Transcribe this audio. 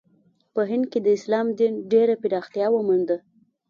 په هند کې د اسلام دین ډېره پراختیا ومونده.